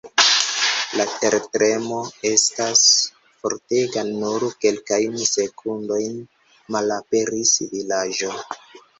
La tertremo estas fortega, nur kelkajn sekundojn, malaperis vilaĝo.